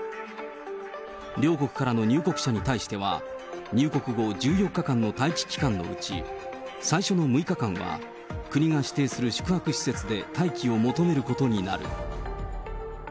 両国からの入国者に対しては、入国後１４日間の待機期間のうち、最初の６日間は国が指定する宿泊施設で待機を求めることになる。